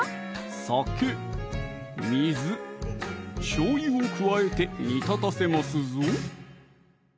酒・水・しょうゆを加えて煮立たせますぞ